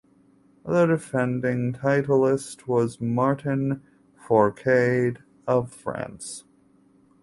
The defending titlist was Martin Fourcade of France.